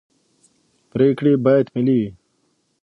پرېکړې باید ملي وي